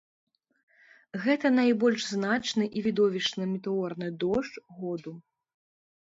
Гэта найбольш значны і відовішчны метэорны дождж году.